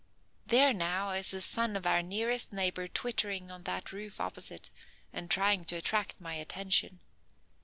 "There, now, is the son of our nearest neighbor twittering on that roof opposite and trying to attract my attention.